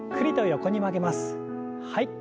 はい。